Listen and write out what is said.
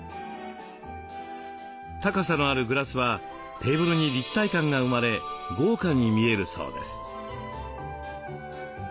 高さのあるグラスはテーブルに立体感が生まれ豪華に見えるそうです。